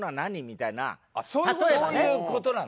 そういう事なの。